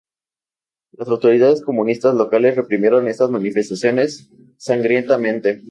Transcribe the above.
Las autoridades comunistas locales reprimieron estas manifestaciones sangrientamente.